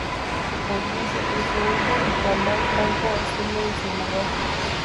El vice presidente, Itamar Franco, asume en su lugar.